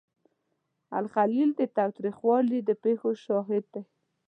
الخلیل د تاوتریخوالي د پیښو شاهد دی.